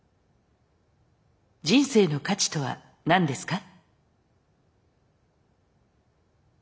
人生の価値とは何ですか？